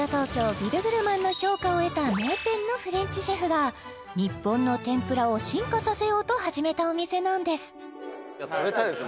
ビブグルマンの評価を得た名店のフレンチシェフが日本の天ぷらを進化させようと始めたお店なんです食べたいです